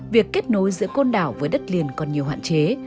việc kết nối giữa con đảo với đất liền còn nhiều hoạn chế